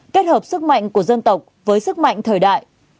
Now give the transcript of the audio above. kết hợp sức mạnh của dân tộc với sức mạnh thời đại